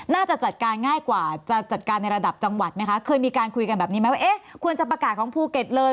น่าจะจัดการง่ายกว่าจะจัดการในระดับจังหวัดไหมคะเคยมีการคุยกันแบบนี้ไหมว่าเอ๊ะควรจะประกาศของภูเก็ตเลย